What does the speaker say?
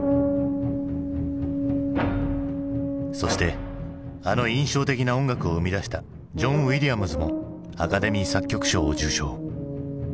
そしてあの印象的な音楽を生み出したジョン・ウィリアムズもアカデミー作曲賞を受賞。